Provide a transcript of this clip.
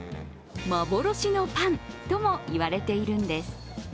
幻のパンとも言われているんです。